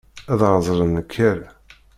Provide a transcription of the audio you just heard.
Ad ɣ-d-ẓren nekker.